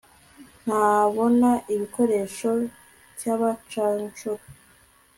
ntabona igikoresho cyabacanshuro